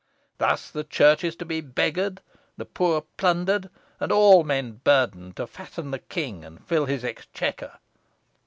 Thus the Church is to be beggared, the poor plundered, and all men burthened, to fatten the king, and fill his exchequer."